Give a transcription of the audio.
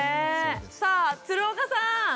さあ鶴岡さん。